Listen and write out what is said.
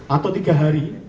atau tiga hari